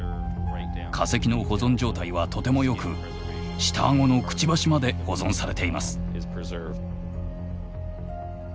化石の保存状態はとてもよく下顎のクチバシまで保存されています。